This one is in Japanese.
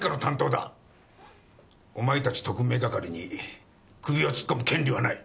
お前たち特命係に首を突っ込む権利はない！